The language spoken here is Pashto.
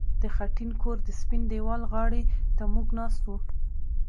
د خټین کور د سپین دېوال غاړې ته موږ ناست وو